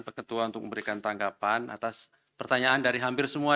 pak ketua untuk memberikan tanggapan atas pertanyaan dari hampir semua